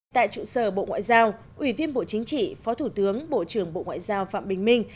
tại trụ sở bộ ngoại giao ủy viên bộ chính trị phó thủ tướng bộ trưởng bộ ngoại giao phạm bình minh